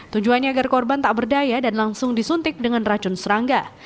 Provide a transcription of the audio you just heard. tujuannya agar korban tak berdaya dan langsung disuntik dengan racun serangga